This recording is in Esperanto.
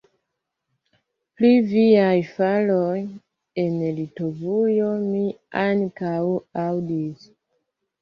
Pri viaj faroj en Litovujo mi ankaŭ aŭdis!